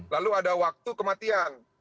lalu ada waktu kematian